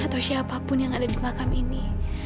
atau siapapun yang ada di makam ini